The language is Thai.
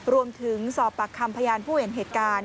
รวมถึงสอบปากคำพยานผู้เห็นเหตุการณ์